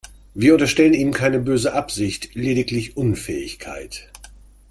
Wir unterstellen ihm keine böse Absicht, lediglich Unfähigkeit.